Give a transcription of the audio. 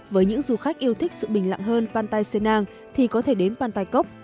với những du khách yêu thích sự bình lặng hơn pantai senang thì có thể đến pantai kok